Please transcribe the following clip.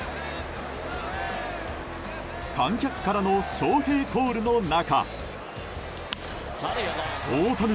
観客からのショウヘイコールの中。